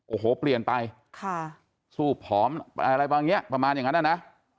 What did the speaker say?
โอ้โหเปลี่ยนไปค่ะสู้ผอมอะไรบางอย่างประมาณอย่างนั้นนะ